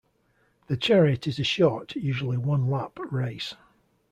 The chariot is a short, usually one lap, race.